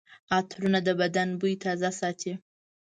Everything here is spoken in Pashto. عطرونه د بدن بوی تازه ساتي.